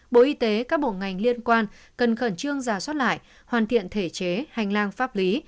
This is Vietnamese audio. bộ y tế các bộ ngành liên quan cần khẩn trương giả soát lại hoàn thiện thể chế hành lang pháp lý